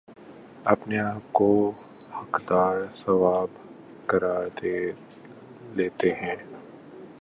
اپنے آپ کو حقدار ثواب قرار دے لیتےہیں